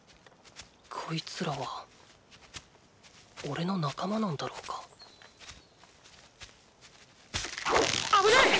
こいつらはおれの仲間なんだろうか危ない！